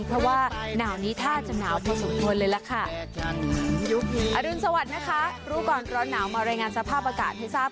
เพราะว่าหนาวนี้ท่าจะหนาวพอสมควรเลยล่ะค่ะอรุณสวัสดิ์นะคะรู้ก่อนร้อนหนาวมารายงานสภาพอากาศให้ทราบ